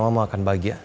mama akan bahagia